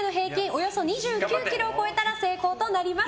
およそ２９ｋｇを超えたら成功となります。